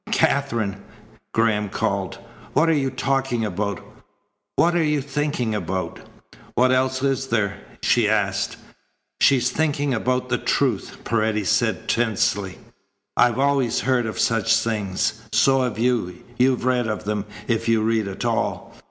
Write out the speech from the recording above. "Katherine!" Graham called. "What are you talking about? What are you thinking about?" "What else is there?" she asked. "She's thinking about the truth," Paredes said tensely. "I've always heard of such things. So have you. You've read of them, if you read at all.